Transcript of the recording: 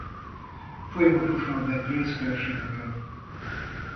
Folyamatosan vett részt versenyeken.